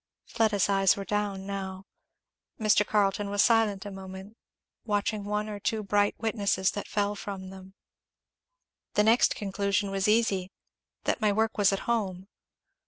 Fleda's eyes were down now. Mr. Carleton was silent a moment, watching one or two bright witnesses that fell from them. "The next conclusion was easy, that my work was at home.